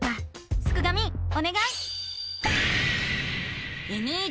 すくがミおねがい！